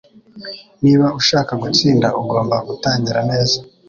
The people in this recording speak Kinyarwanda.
Niba ushaka gutsinda, ugomba gutangira neza.